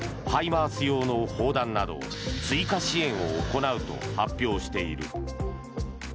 用の砲弾など追加支援を行うと発表している。